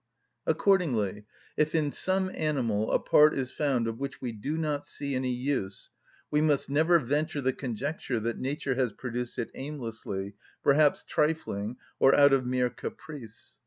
Accordingly, if in some animal a part is found of which we do not see any use, we must never venture the conjecture that nature has produced it aimlessly, perhaps trifling, or out of mere caprice.